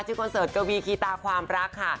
คอนเสิร์ตกวีคีตาความรักค่ะ